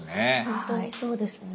本当にそうですね。